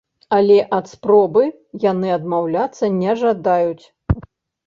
Але ад спробы яны адмаўляцца не жадаюць.